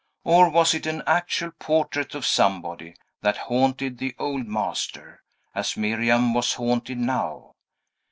Or was it an actual portrait of somebody, that haunted the old master, as Miriam was haunted now?